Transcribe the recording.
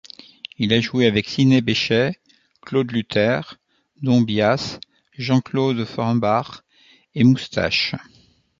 Il a joué avec Sidney Bechet, Claude Luter, Don Byas, Jean-Claude Fohrenbach et Moustache.